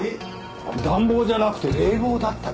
暖房じゃなくて冷房だったと？